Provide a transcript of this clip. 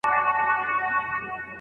د تور منځ کي د دانو په غونډولو